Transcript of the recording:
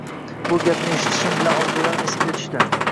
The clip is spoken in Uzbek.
Bu gapni eshitishim bilan orzularim esimga tushdi...